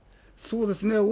そうですね。